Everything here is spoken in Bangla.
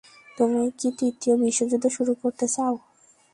তুমি কি তৃতীয় বিশ্বযুদ্ধ শুরু করতে চাও?